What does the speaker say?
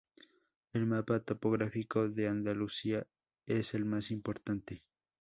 El Mapa Topográfico de Andalucía es el más importante.